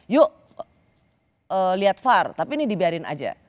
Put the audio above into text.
yuk lihat var tapi ini dibiarin aja